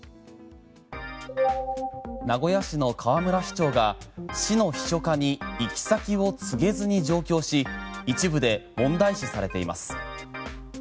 名古屋市の河村市長が市の秘書課に行き先を告げずに上京し一部で問題視されています。